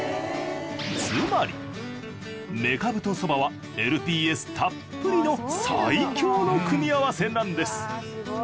つまりメカブとソバはＬＰＳたっぷりの最強の組み合わせなんです